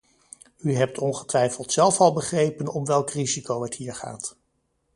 U hebt ongetwijfeld zelf al begrepen om welk risico het hier gaat.